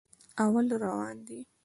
او روان دي